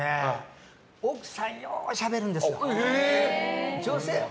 奥さんがようしゃべるんです。